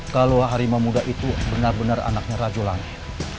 kalau harimau muda itu benar benar anaknya rajo langit